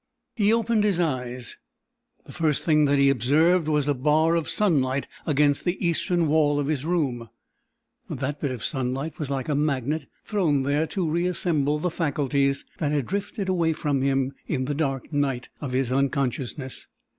He opened his eyes. The first thing that he observed was a bar of sunlight against the eastern wall of his room. That bit of sunlight was like a magnet thrown there to reassemble the faculties that had drifted away from him in the dark night of his unconsciousness.